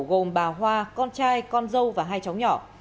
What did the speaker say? gồm bà hoa con trai con dâu và hai cháu nhỏ